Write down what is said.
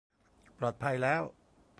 ปลอดภัยแล้ว